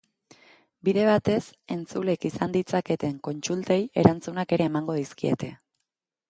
Bide batez, entzuleek izan ditzaketen kontsultei erantzunak ere emango dizkiete.